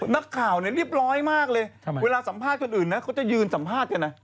นักข่าวเนี่ยเรียบร้อยมากเลยเวลาสัมภาษณ์คนอื่นนะเขาจะยืนสัมภาษณ์กันนะ